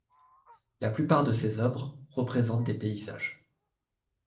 La plupart de ses œuvres représentent des paysages.